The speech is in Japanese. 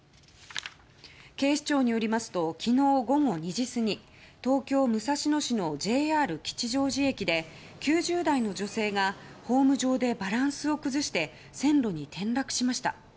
警視庁によりますと昨日午後２時過ぎ東京・武蔵野市のＪＲ吉祥寺駅で９０代の女性がホーム上でバランスを崩して線路に転落しました。